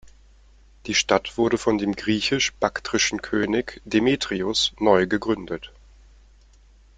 Die Stadt wurde von dem Griechisch-Baktrischen König Demetrius neu gegründet.